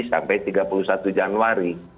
sampai tiga puluh satu januari